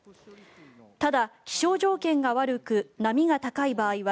ただ、気象条件が悪く波が高い場合は